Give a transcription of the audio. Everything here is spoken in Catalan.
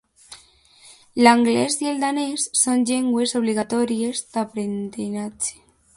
L'anglès i el danès són llengües obligatòries d'aprenentatge.